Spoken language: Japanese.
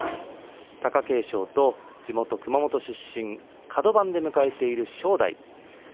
貴景勝と地元熊本出身、カド番で迎えている正代。